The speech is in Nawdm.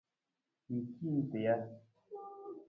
Ng ci nta ja?